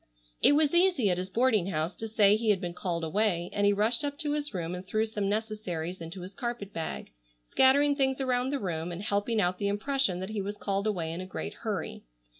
It was easy at his boarding house to say he had been called away, and he rushed up to his room and threw some necessaries into his carpet bag, scattering things around the room and helping out the impression that he was called away in a great hurry.